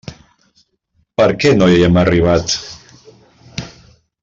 Per què no hi hem arribat?